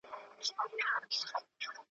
زه همزولې د ښکلایم، زه له میني د سبحان یم `